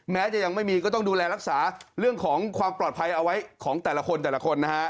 แม้จะยังไม่มีก็ต้องดูแลรักษาเรื่องของความปลอดภัยเอาไว้ของแต่ละคน